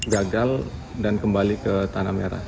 gagal dan kembali ke tanah merah